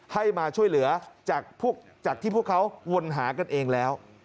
ให้มาช่วยเหลือจากที่พวกเขาวนหากันเองแล้ว